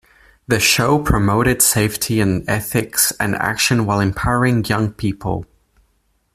The show promoted safety and ethics and action while empowering young people.